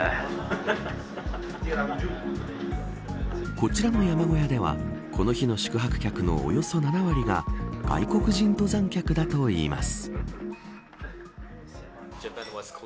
こちらの山小屋ではこの日の宿泊客のおよそ７割が外国人登山客だといいます。